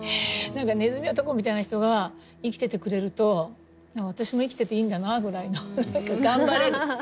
何かねずみ男みたいな人が生きててくれると私も生きてていいんだなくらいの何か頑張れる。